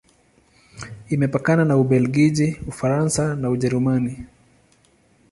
Imepakana na Ubelgiji, Ufaransa na Ujerumani.